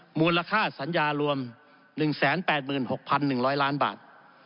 มูลค่าสัญญารวม๑๘๖๑๐๐ล้านบาท